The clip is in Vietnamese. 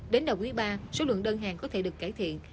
đến đầu quý ba số lượng đơn hàng có thể được cải thiện